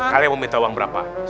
kalian mau minta uang berapa